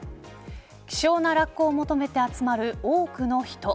希少なラッコを求めて集まる多くの人。